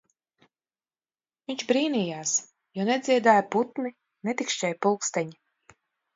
Viņš brīnījās, jo nedziedāja putni, netikšķēja pulksteņi.